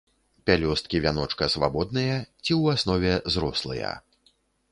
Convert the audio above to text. Пялёсткі вяночка свабодныя ці ў аснове зрослыя.